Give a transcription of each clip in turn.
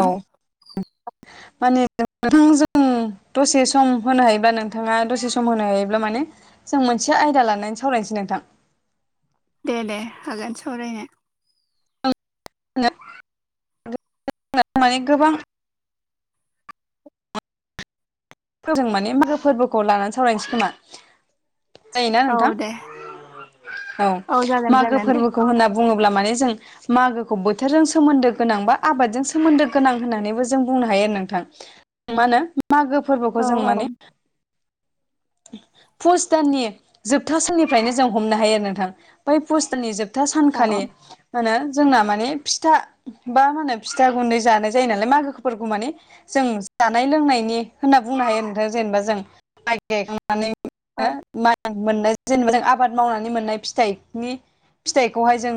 औ माने नोंथांजों दसे सम होनो हायोब्ला नोंथाङा दसे सम होनो हायोब्ला माने जों मोनसे आयदा लानानै सावरायनोसै नोंथां दे दे हागोन सावरायनो माने गोबां जों माने मागो फोरबोखौ लानानै सावरायनोसै खोमा जायोना नोंथां औ दे औ जागोन मागो जागोन दे फोरबोखौ होननानै बुङोब्ला माने जों मागोखौ बोथोरजों सोमोन्दो गोनां बा आबादजों सोमोन्दो गोनां होननानैबो जों बुंनो हायो आरो नोंथां मा होनो मागो औ फोरबोखौ जों माने [inaudible] पुस दाननि जोबथा साननिफ्रायनो जों हमनो हायो आरो नोंथां बै पुस दाननि जोबथा औ सानखालि माहोनो जोंना माने फिथा बा मा होनो फिथा गुन्दै जानाय जायो नालाय मागोफोरखौ माने जों जानाय लोंनायनि होनना बुंनो हायो नोंथां जेनेबा जों माइ गायखांनानै औ मोननाय जेनेबा जों आबाद मावनानै मोननाय फिथाइनि फिथाइखौहाय जों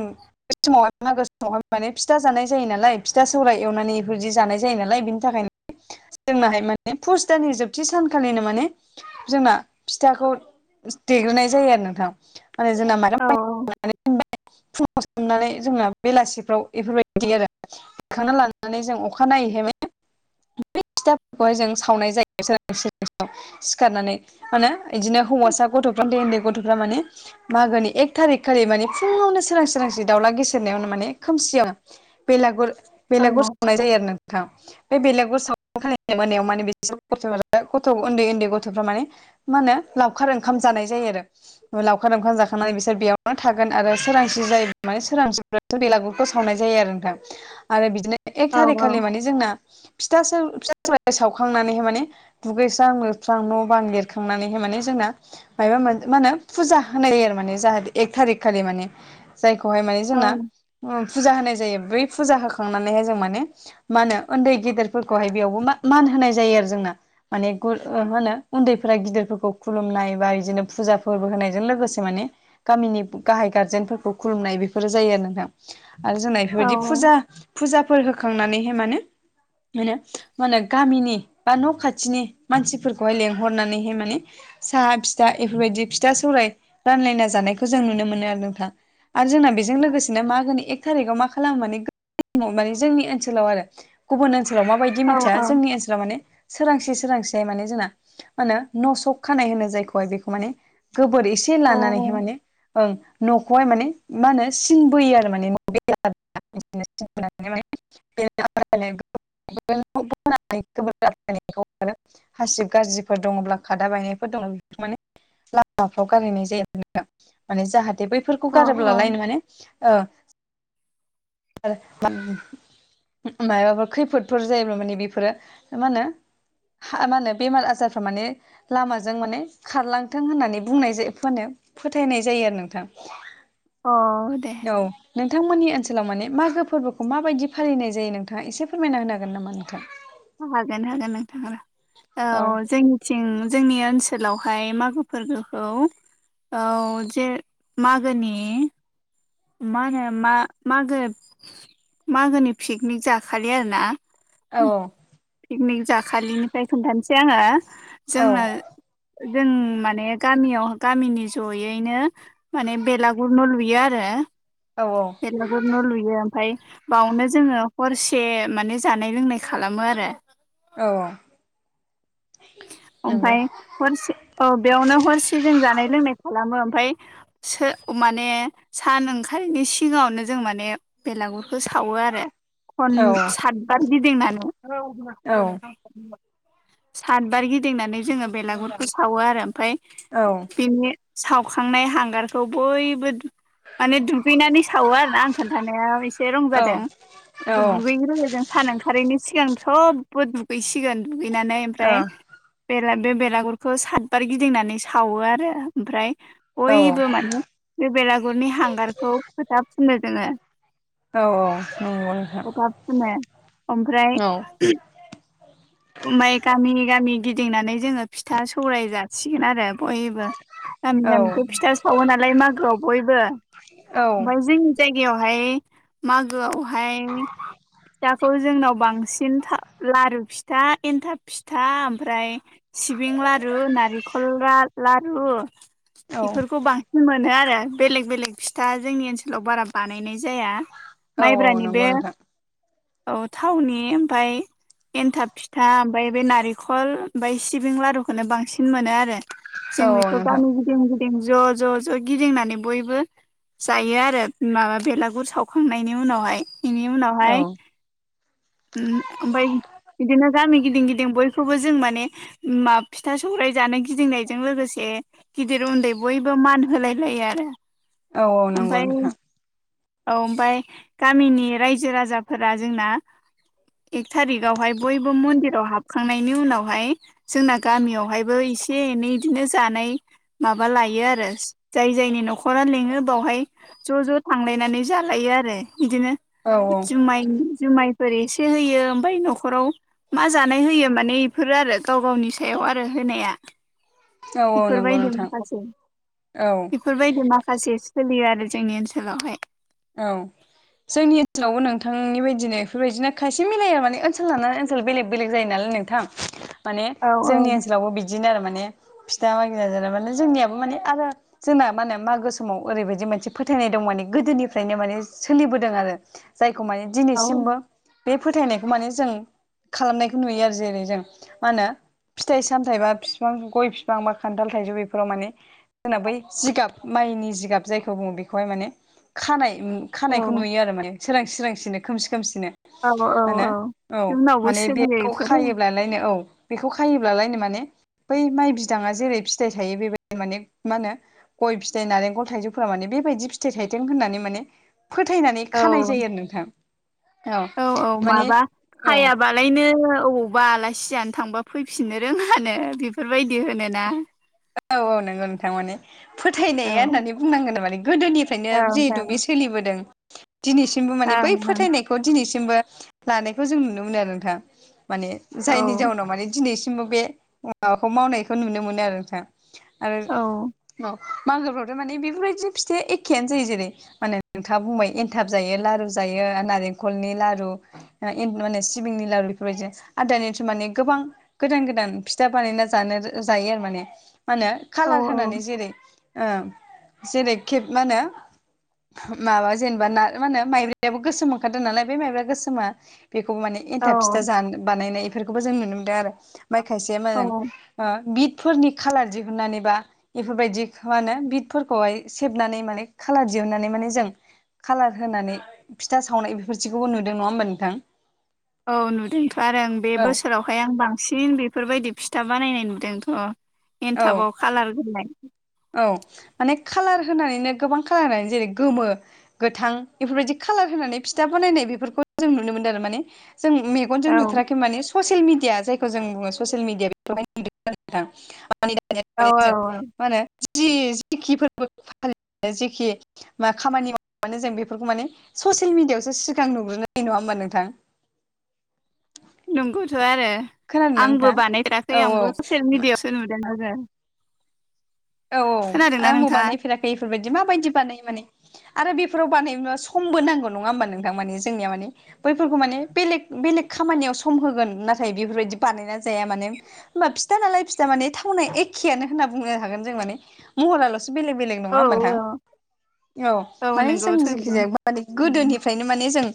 बे समाव मागो समावहाय माने फिथा जानाय जायो नालाय फिथा सौराय एवनानै बेफोरदि जानाय जायो नालाय थाखाय जोंनाहाय माने फुस दान जोबथि सानखालिनो माने जोंना फिथाखौ देग्रोनाय जायो आरो नोंथां माने जोंना औ माइरं होनबाय फुङाव सोमनानै जोंना बेलासिफ्राव बेफोरबायदि देयो आरो देखांना लानानै जों अखा नायै हाय बे बे फिथाफोरखौहाय जों सावनाय जायो सिखारनानै माने बिदिनो हौवासा गथ'फ्रा उन्दै उन्दै गथ'फ्रा माने मागोनि एक थारिख खालि माने फुङावनो सोरां सोरां दाउला गेसेेरनायावनो माने खोमसियावनो बेलागुर औ बेलागुर सावनाय जायो आरो नोंथां बे बेलागुर सावनाय खालिनो मोनायाव माने बिदिनो गथ'फोरा उनदै उनदै गथ'फोरा माने मा होनो लावखार ओंखाम जानाय जायो आरो लावखार लांख जाखांनानै बिसोर बेयावनो थागोन आरो सोरांसि जायो माने सोरां बेलागुरखौ सावनाय जायो आरो नोंथां आरो बिदिनो एक औ थारिक खालि माने जोंना फिथासौ फिथा सौराय सावखांनानैहाय माने दुगैस्रां लोबस्रां न' बां लिरखांनानैहाय माने जोंना मायबा मोन मा होनो फुजा होनाय आरो मानानिे जाहाथे एक थारिख खालि माने जायखौहाय माने औ जोंना फुजा होनाय जायो बै फुजा होखांनानैहाय जों माने मा होनो उन्दै गेदेरफोरखौहाय बेयावबो मा मान होनाय जायो आरो जोंना माने गुर ओ होनो उन्दैफोरा गिदिरफोरखौ खुलुमनाय बा बिदिनो फुजा फोरबो होनायजों लोगोसे माने गामिनि गाहाय गारजेनफोरखौ खुलुमनाय बेफोरो जायो आरो नोंथां। आरो जोंनाय बेफोरबायदि फुजा फुजाफोर होखांनानैहाय माने मोनो मा होनो गामिनि बा न' खाथिनि मानसिफोरखौहाय लेंहरनानैहाय माने साहा फिथा बेफोरबायदि फिथा सौराय रानलायना जानायखौ जों नुनो मोनो आरो नोंथां। आरो जोंना बेजों लोगोसेनो मा होनो एक थारिकाव मा खालामो माने माने जोंनि ओनसोलाव आरो गुबुन ओनसोलाव माबायदि मिथि जोंनि ओन माने सोरांसि सोरांसेय माने जोंना मा होनो न' सक खानाय होनो जायखौहाय बेखौ माने गोबोर एसे लानानैहाय माने ओं न'खौहाय माने मा होनो सिनबोयो आरो माने न बे [unintelligible] [unintelligible] [unintelligible] हासिब गाज्रिफोर दङब्ला खादा बायनायफोर दङ बेफोर माने लामाफ्राव गारहैनाय जाया माने जाहाथे बैफोरखौ औ गारोब्लालायनो माने ओ [unintelligible] मायबाफोर खैफोदफोर जायोब्ला माने बेफोरो मा होनो हा मा होनो बेमार आजारफ्रा माने लामाजों माने खारलांथों होननानै बुंनाय जा फो फोथायनाय जायो आरो नोंथां। अ दे। औ नोंथांमोननि ओनसोलाव माने मागो फोरबोखौ माबायदि फालिनाय जायो नोंथाङा एसे फोरमायना होनो हागोन नामा नोंथां? हागोन हागोन नोंथाङा औ। जों थिं जोंनि ओनसोलावहाय मागो फोरबोखौ औ जे मागोनि मा होनो मा मागो मागोनि पिकनिक जाखलि आरोना औ पिकनिक जाखालिनिफ्राय खोन्थानोसै आङो। औ जोंनो जों माने गामियाव गामिनि जयैनो माने बेलागुर‌ न' लुयो आरो। औ औ। बेलागुर न' लुयो ओमफ्राय बेयावनो जोङो हरसे माने जानाय लोंनाय खालामो आरो औ। नंगौ ओमफ्राय हरसे औ बेयावनो हरसे जों जानाय लोंनाय खालामो ओमफ्राय सो माने सान ओंखारिनि सिगाङावनो जों माने बेलागुरखौ सावो आरो खन औ सातबार गिदिंनानै। नंगौ सातबार गिदिंनानै जोङो बेलागुरखौ सावो आरो ओमफ्राय औ। बिनि सावखांनाय हांगारखौ बयबो माने दुगैनानै सावो आरो ना आं खोनन्थानायाव एसे रं जादों नोंथां दुगैग्रोगोन सान ओंखारैनो सिगांथ सबबो दुगैसिगोन दुगैनानै ओमफ्राय जेला बे बेलागुरखौ सातबार गिदिंनानै सावो आरो ओमफ्राय औ बयबो माने बे बेलागुरनि हांगारखौ फोथाफुनो जोङो। औ औ नंगौ नोंथां थाब फुनो ओमफ्राय माय गामि गामि गिदिंनानै जोङो फिथा सौराय जासिगोन आरो बय ओ गामि गामिथ नंगौ फिथा सावो नालाय मागोआव बयबो ओमफाय जों जायगायावहाय मागोआवहाय फिथाखौ जोंनाव बांसिन था लारु फिथा एन्थाब फिथा ओमफ्राय सिबिं लारु नारेंखल ला लारु बेफोरखौ बां मोनो आरो बेलेग बेलेग फिथा जोंनि ओनसोलाव बारा बानायनाय जाया माइब्रानि बे नोंथां औ थावनि ओमफ्राय एन्थाब फिथा ओमफ्राय बे नारि फोर ओमफ्राय सिबिं लारुखौनो बांसिन मोनो आरो औ जों बेखौ गामि गिदिं गिदिं ज' ज' ज' गिदिंनानै बयबो जायो आरो माबा बेलागुर सावखांनायनि उनावहाय बेनि उनावहाय ओमफ्राय बिदिनो गामि गिदिं गिदिं बय खौबो जों माने फिथा सौराय जानो गिदिंनायजों लोगोसे गिदिर उन्दै बयबो मान होलाय लायो आरो। औ औ ओमफाय औ ओमफ्राय गामिनि रायजो राजाफोरा जोंना एक थारिकावहाय बयबो मन्दिराव हाब खांनायनि उनावहाय जोंना गामियावहायबो एसे एनै इदिनो जानाय माबा लायो आरो जाय जायनि न'खरा लिङो बावहाय ज' ज' थांलायनानै जालायो आरो बिदिनो जुमाय जुमायफोर एसे होयो ओमफाय न'खराव मा जा नाय होयो माने एफोरो आरो गाव गावनि सायाव आरो होनाया बिफोर नंगौ बायदि नोंथां माखासे औ बेफोरबायदि माखासे सोलियो आरो जोंनि ओनसोलावहाय औ जोंनि ओनसोलावबो नोंथांनि बायदिनो इफोरबायदिनो खायसे मिलाया माने ओनसोल लानानै ओनसोल बेलेग बेलेग जायो नालाय नोंथां [inaudible] माने औ जोंनि ओनसोलावबो बिदिनो आरो माने फिथा मागिना जाना माने जोंनियाबो माने आरो जोंना मानो मागो समाव ओरैबायदि मोनसे फोथायनाय दं माने गोदोनि फ्रायनो माने सोलिबोदों आरो जायखौ माने औ दिनैसिमबो बे फोथायनायखौ माने जों खालामनायखौ नुयो आरो जेरै जों मा होनो फिथाइ सामथायाइ बा बिफां गय बिफां बा खान्थाल थाइजौ बेफोराव माने जोंना बै जिगाब माइनि जिगाब जायखौ बुङो बेखौहाय माने खानाय उम औ खानायखौ नुयो आरो माने सोरांसि सोरां सिनो खोमसि खोमसिनो औ औ मानो औ औ जोंनावबो माने सोलियो बेखौ इफोरो खायोब्लालायनो औ बेखौ खायोब्लालायनो माने बै माइ बिदाङा जेरै फिथाइ थायो बेबायदिनो माने मा होनो गय फिथाइ नारेंखल थाइजौफोरा माने बेबायदि फिथाइ थाइ दों होननानै माने फोथायनानै औ खानाय जायो आरो नोंथां औ माने औ लायनो अबावबा आलासि जानो थांबा फैफिननो रोङानो बेफोरबायदि होनो औ औ नंगौ नोंथां माने औ फोथायनाया होननानै बुंनांगोन माने गोदोनिफ्रायनो जिहेथु बे सोलिबोदों दिनै बो माने बै ओं फोथायनायखौ दिनैसिमबो लानायखौ जों नुनो मोनो आरो नोंथां माने जायनि जाउनाव माने दिनैसिमबो बे माबाखौ मावनायखौ नुनो मोनो आरो नोंथां आरो ओं औ मागोफ्रावथ' माने बेफोरबायदि फिथ एखेयानो जायो जेरै मानो नोंथाङा बुंबाय एनथाब जायो लारु जायो नारेंखलनि लारु [unintelligible] माने सिबिंनि लारु बेफोरबायदिनो आरो दानियाथ' माने गोबां गोदान गोदान फिथा बानायना जानो जायो आरो माने मा होनो ओं औ खाालार औ होनानै जेरै ओ जेरै केब मा होनो माबा जेनेबा ना मा होनो माइब्रायाबो गोसोम ओंखारदों नालाय बे माइब्राया गोसोमा बेखौबो माने औ एन्थाब फिथा जानो बानायनाय बेफोरखौबो जों नुनो मोनदों आरो माइ खायसे औ मोजां औ ओ बिदफोरनि खालार दिहुननानैबा बेफोरबायदि मा होनो बिदफोरखौहाय सेबनानै माने खालार दिहुननानै माने जों कालार होनानै फिथा सावनाय बेफोरदिखौबो नुदों नङा होमबा नोंथां औ नुदोंथ' आरो आं बे औ बोसोराव आमफ्राय आं बांसिन बेफोरबायदि फिथा बानायनाय नुदोंथ' औ एन्थाबाव खालार गलाय औ माने खालार होनानैनो गोबां कालार होनानै जेरै गोमो गोथां बेफोरबायदि खालार होनानै फिथा बानायनाय बेफोरखौ जों नुनो मोनदों आरो माने जों मे गनजों औ नुथाराखै माने ससियेल मिदिया जायखौ जों बुडो ससियेल मिदिया [unintelligible] [unintelligible] जों औ औ मा होनो जि जेखि फोरबो फालि जेखि मा खामानि मा जों बेफोरखौ माने ससियेल मिडियायावसो सिगां नुग्रोनाय नङा होमबा नोंथां ज [inaudible] नंगौथ' आरो खोनादोंना आंबो नोंथां बानायथेराखै औ आंबो ससिल औ मिडियाआवसो नुदों आरो औ औ खोनादोंना आंबो नोंथाङा बानायफेराखै एफोरबायदि माबायदि बानायो माने आरो बेफोराव बानायनोबा समबो नांगौ नङा होमबा नोंथां माने जोंनिया माने बैफोरखौ माने बेलेग बेलेग खामानियाव सम होगोन नाथाय बेफोरबायदि बानायना जाया माने होमबा फिथा नालाय फिथा माने थावना एखेआनो होनना बुंनो हागोन। माने महरालसो बेलेग बेलेग औ नंङा हमबा नोंथां औ माने जों जिखि जाया माने गोदोनिफ्रायनो माने जों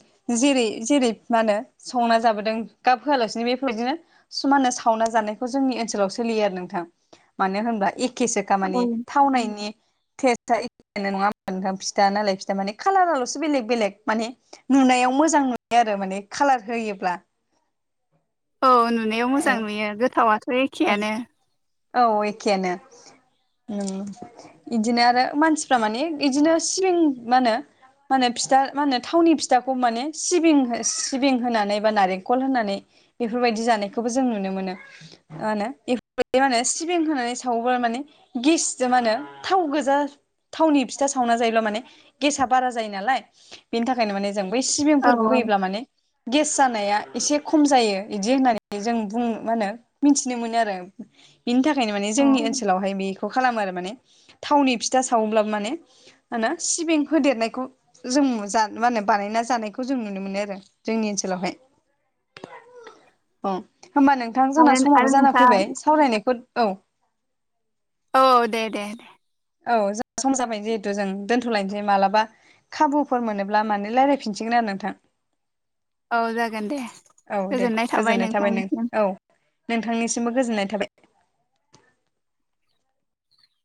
जेरै जेरै मा होनो संना जाबोदों गाब होआलासिनो बेफोरदिनो सुमानानो सावना जानायखौ जोंनि ओनसोलाव सोलियो आरो नोंथां मानो होनबा ए केसो औ खामानि थावनायनि टे सथा एखे नङा होमबा नोंथां फिथा नालाय फिथा माने खालाराल'सो बेलेग बेलेग माने नुनायाव मोजां नुयो आरो माने कालार होयोब्ला औ नुनायाव औ मोजां नुयो गोथावाथ' एखेआनो औ एखेयानो उम इदिनो आरो मानसिफ्रा माने इदिनो सिलिं मा होनो मा होनो फिथा मा होनो थावनि फिथाखौ माने सिबिं सिबिं होनानै बा नारेंखल होनानै बेफोरबायदि जानायखौबो जों नुनो मोनो मा होनो बेफोरबायदि मा होनो सिबिं होनानै सावोब्ला माने गेसजों मा होनो थाव गोजा थावनि फिथा सावना जायोब्ला माने गेसा बारा जायो नालाय बेनि थाखायनो माने जों बै औ सिबिंफोरखौ होयोब्ला माने गेस जानाया एसे खम जायो इदि होननानै जों बुं मा होनो मिथिनो मोनो आरो बेनि थाखायनो माने औ जोंनि ओनसोलावहाय बे खालामो आरो माने थावनि फिथा सावोब्ला माने होनो सिबिं होदेरनायखौ जों मा होनो बानायना जानायखौ जों नुनो मोनो आरो जोंनि ओनसोलावहाय अ होमबा नोंथां जोंना आरो आरो समाबो जाना नोंथां फैबाय सावरायनायखौ औ औ दे दे दे औ सम जाबाय जे जिहेथु जों दोन्थ'लायनोसै मालाबा खाबुफोर मोनोब्ला माने रायज्लायफिनसिगोन आरो नोंथां औ जागोन दे औ दे गोजोननाय थाबाय नों औ नोंथांनिसिमबो गोजोननाय थाबाय।